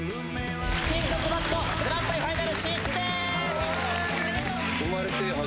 金属バットグランプリファイナル進出です。